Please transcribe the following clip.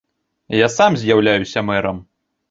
Я сам з'яўляюся мэрам.